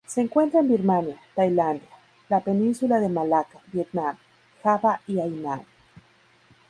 Se encuentra en Birmania, Tailandia, la península de Malaca, Vietnam, Java y Hainan.